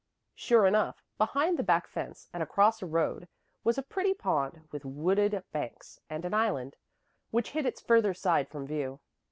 Sure enough, behind the back fence and across a road was a pretty pond, with wooded banks and an island, which hid its further side from view.